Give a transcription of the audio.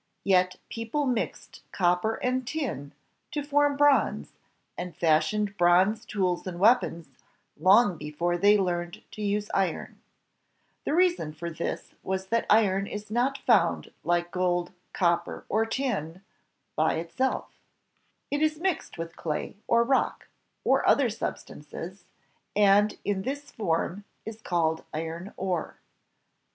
Yet people mixed copper and tin to form bronze, and fashioned bronze tools and weapons, long before they learned to use ironi The reason for this was that iron is not found like gold, copper, or tin, by itself. IMPLEMENTS OF THE BRONZE AGE It is mixed with clay, or rock, or other substances, and in this form is called iron ore.